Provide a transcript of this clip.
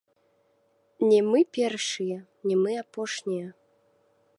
Не мы першыя, не мы апошнія.